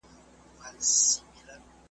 وارخطا سوه لالهانده ګرځېدله ,